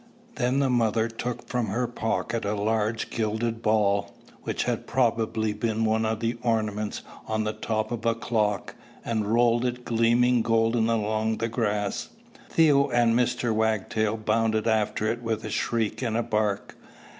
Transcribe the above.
Then the mother took from her pocket a large gilded ball, which had probably been one of the ornaments on the top of a clock, and rolled it gleaming golden along the grass. Theo and Mr. Wagtail bounded after it with a shriek and a bark.